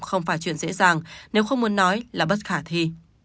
không phải chuyện dễ dàng nếu không muốn nói là bất khả thi